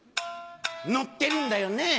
「載ってるんだよね？